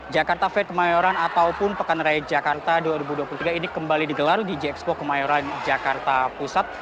jakarta fair kemayoran ataupun pekan raya jakarta dua ribu dua puluh tiga ini kembali digelar di jxpo kemayoran jakarta pusat